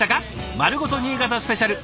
「まるごと新潟スペシャル」。